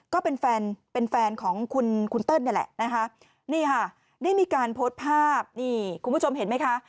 ก็เป็นแฟนของคุณเติ้ลนี่แหละมีการโพสต์ภาพคุณผู้ชมเห็นไหมคะ